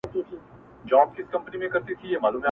په پردي جنگ كي بايللى مي پوستين دئ -